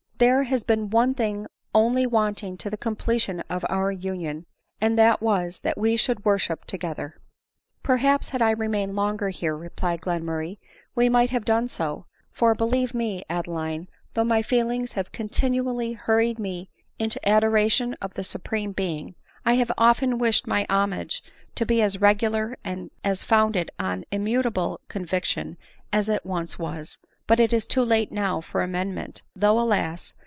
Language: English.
there has been one thing only wanting to the completion of our union ; and that was, that we should worship together." "Perhaps, had I remained longer here, replied Glenmur ray, "we might have done so ; for, believe me, Adeline, though my feelings have continually hurried me into ado ration of the Supreme Being, I have often wished my homage to be as regular and as founded on immutable conviction as it once was ; but it is too late now for . amendment, though, alas